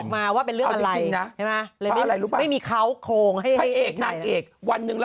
มันยังไม่เป็น